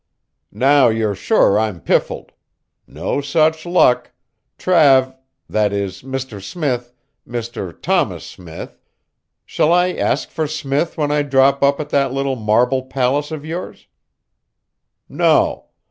Now you're sure I'm piffled. No such luck. Trav that is, Mr. Smith Mr. Thomas Smith! Shall I ask for Smith when I drop up at that little marble palace of yours? No.